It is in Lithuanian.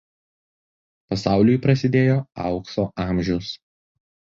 Pasauliui prasidėjo Aukso amžius.